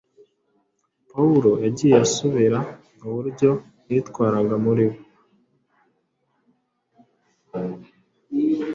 Pawulo yagiye asubira mu buryo yitwaraga muri bo.